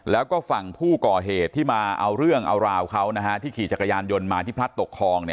แล้วก็ฝั่งผู้ก่อเหตุที่มาเอาเรื่องเอาราวเขาที่ขี่จักรยานยนต์มาที่พลัดตกคลอง